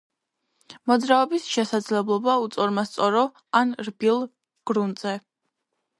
მოძრაობის შესაძლებლობა უსწორმასწორო ან რბილ გრუნტზე.